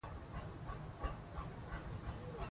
اور بل کړه.